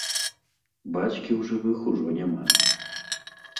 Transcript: Бацькі ў жывых ужо няма.